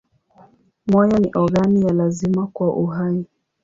Moyo ni ogani ya lazima kwa uhai.